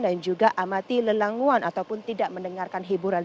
dan juga amati lelanguan ataupun tidak mendengarkan hiburan